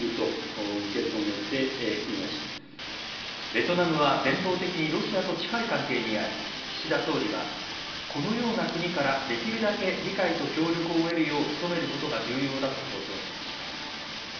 ベトナムは伝統的にロシアと近い関係にあり岸田総理は、このような国からできるだけ理解と協力を得るよう努めることが重要だと強調しました。